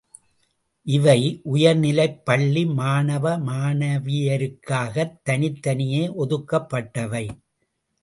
இவை, உயர்நிலைப்பள்ளி மாணவ, மாணவியருக்காக தனித் தனியே ஒதுக்கப்பட்டவை.